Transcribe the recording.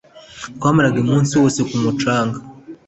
Twamaraga umunsi wose ku mucanga